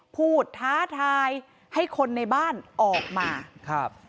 ท้าทายให้คนในบ้านออกมาครับ